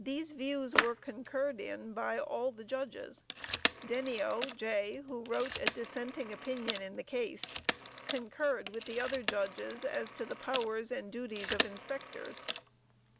_" These views were concurred in by all the Judges. Denio, J., who wrote a dissenting opinion in the case, concurred with the other Judges as to the powers and duties of inspectors.